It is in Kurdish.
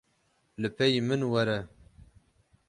Li pêyî min were.